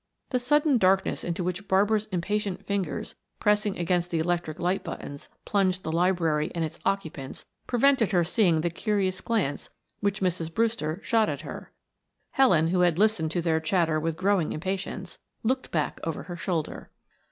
The sudden darkness into which Barbara's impatient fingers, pressing against the electric light buttons, plunged the library and its occupants, prevented her seeing the curious glance which Mrs. Brewster shot at her. Helen, who had listened to their chatter with growing impatience, looked back over her shoulder.